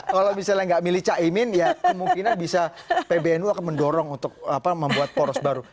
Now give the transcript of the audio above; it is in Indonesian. kalau misalnya nggak milih caimin ya kemungkinan bisa pbnu akan mendorong untuk membuat poros baru